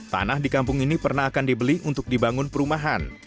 tanah di kampung ini pernah akan dibeli untuk dibangun perumahan